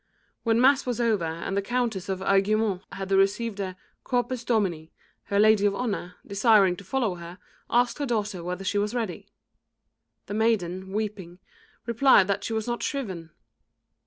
When mass was over and the Countess of Aiguemont had received the "Corpus Domini," her lady of honour, desiring to follow her, asked her daughter whether she was ready. The maiden, weeping, replied that she was not shriven.